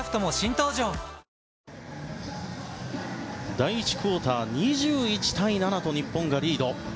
第１クオーター２１対７と日本がリード。